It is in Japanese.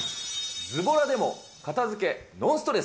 ズボラでも片付けノンストレス！